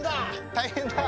大変だ。